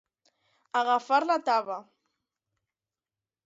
Agafar la taba.